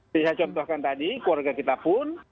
saya contohkan tadi keluarga kita pun